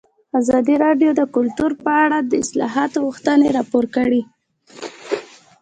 ازادي راډیو د کلتور په اړه د اصلاحاتو غوښتنې راپور کړې.